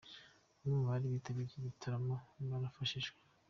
Bamwe mu bari bitabiriye iki gitaramo barafashijwe.